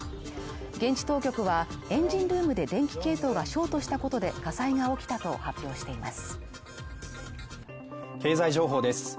現地当局は、エンジンルーム電気系統がショートしたことで、火災が起きたと発表しています。